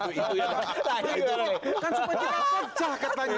nah itu kan supaya kita pecah katanya